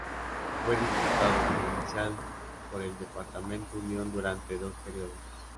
Fue diputado provincial por el departamento Unión durante dos períodos.